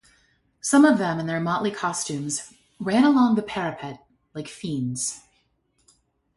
Some of them in their motley costumes ran along the parapet like fiends.